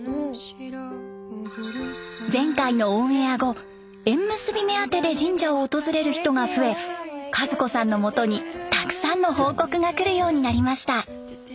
前回のオンエア後縁結び目当てで神社を訪れる人が増え和子さんのもとにたくさんの報告がくるようになりました。